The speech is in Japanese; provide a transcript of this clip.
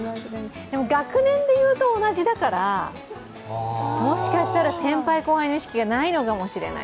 学年でいうと同じだから、もしかしたら先輩・後輩の意識がないのかもしれない。